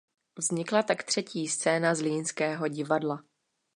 Vznikla tak třetí scéna zlínského divadla.